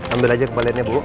ambil aja kembaliannya bu